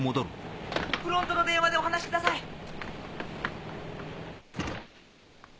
フロントの電話でお話しください。